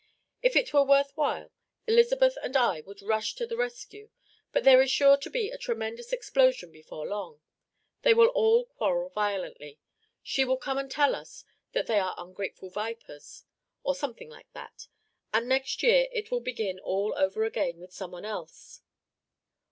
If it were worthwhile, Elizabeth and I would rush to the rescue; but there is sure to be a tremendous explosion before long; they will all quarrel violently, she will come and tell us that they are ungrateful vipers, or something like that, and next year it will begin all over again with someone else."